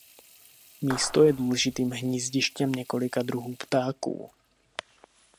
Místo je důležitým hnízdištěm několika druhů ptáků.